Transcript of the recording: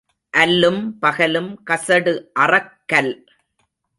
அல்லும் பகலும் கசடு அறக் கல்.